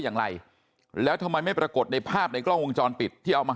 อย่างไรแล้วทำไมไม่ปรากฏในภาพในกล้องวงจรปิดที่เอามา